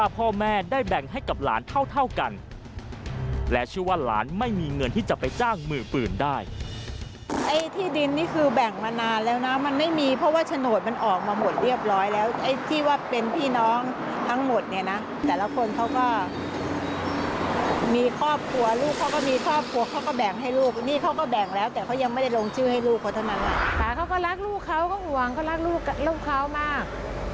ป่าเขาก็รักลูกเขาก็อ่วงเขารักลูกเขามาก